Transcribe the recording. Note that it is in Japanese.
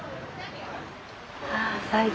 あ最高。